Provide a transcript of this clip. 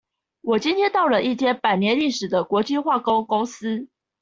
我今天到了一間百年歷史的國際化工公司